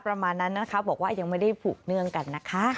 ประมาณนั้นนะคะบอกว่ายังไม่ได้ผูกเนื่องกันนะคะ